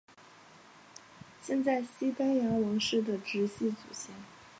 现在西班牙王室的直系祖先。